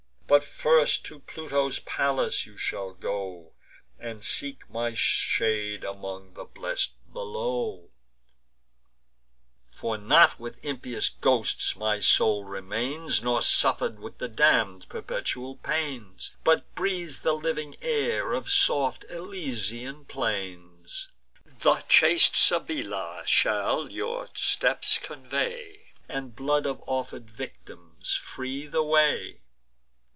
But first to Pluto's palace you shall go, And seek my shade among the blest below: For not with impious ghosts my soul remains, Nor suffers with the damn'd perpetual pains, But breathes the living air of soft Elysian plains. The chaste Sibylla shall your steps convey, And blood of offer'd victims free the way.